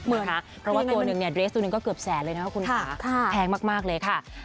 เพราะว่าตัวหนึ่งเนี่ยเดรสตัวหนึ่งก็เกือบแสนเลยนะคะคุณค่ะแพงมากเลยค่ะ